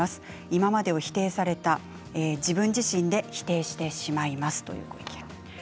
今までを否定された自分自身で否定してしまいますというご意見です。